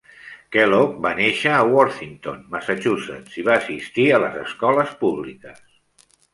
Kellogg va néixer a Worthington, Massachusetts, i va assistir a les escoles públiques.